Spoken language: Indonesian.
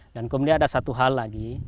kemudian ada satu hal lagi